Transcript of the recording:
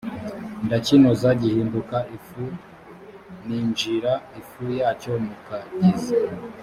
ndakinoza gihinduka ifu minjira ifu yacyo mu kagezi